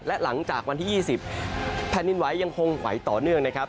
และหลังจากวันที่๒๐แผ่นดินไหวยังคงไหวต่อเนื่องนะครับ